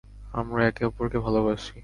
আমরা একে অপরকে ভালোবাসি।